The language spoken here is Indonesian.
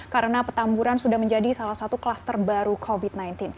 karena petamburan sudah menjadi salah satu kluster baru covid sembilan belas